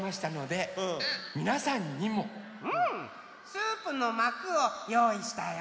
スープのまくをよういしたよ。